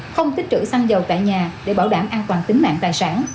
không tích trữ xăng dầu tại nhà để bảo đảm an toàn tính mạng tài sản